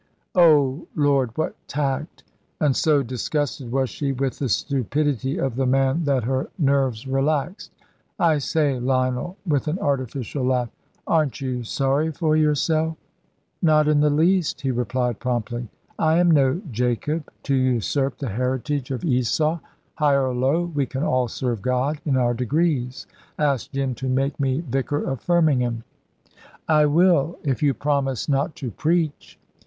"Oh, Lord, what tact!" and so disgusted was she with the stupidity of the man that her nerves relaxed "I say, Lionel," with an artificial laugh, "aren't you sorry for yourself?" "Not in the least," he replied promptly. "I am no Jacob to usurp the heritage of Esau. High or low, we can all serve God in our degrees. Ask Jim to make me vicar of Firmingham." "I will, if you promise not to preach."